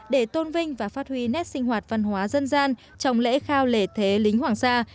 để tôn vinh và phát huy nét sinh hoạt văn hóa dân gian trong lễ khao lễ thế lính hoàng sa